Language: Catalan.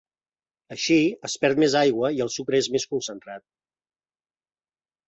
Així, es perd més aigua i el sucre és més concentrat.